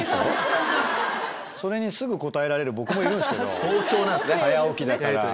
それにすぐ答えられる僕もいるんですけど早起きだから。